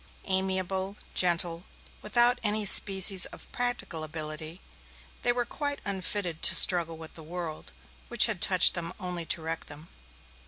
Amiable, gentle, without any species of practical ability, they were quite unfitted to struggle with the world, which had touched them only to wreck them.